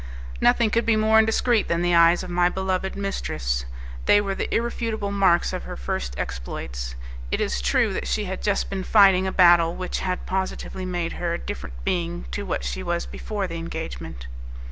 Nothing could be more indiscreet than the eyes of my beloved mistress; they wore the irrefutable marks of her first exploits. It is true that she had just been fighting a battle which had positively made her a different being to what she was before the engagement.